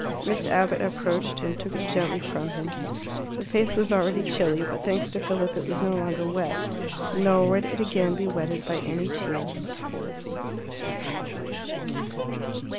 Miss Abbott approached, and took it gently from him. The face was already chilly, but thanks to Philip it was no longer wet. Nor would it again be wetted by any tear.